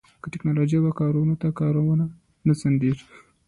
که ټیکنالوژي وکاروو نو کارونه نه ځنډیږي.